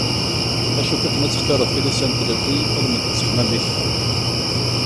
Acu-k akken ad textireḍ tilisa n tlelli almend n ttexmam-ik?